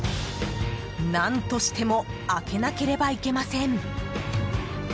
何としても開けなければいけません。